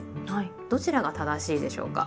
どちらが正しいでしょうか？